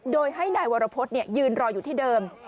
โดยให้นายวรพฤษยืนรออยู่ที่เดิม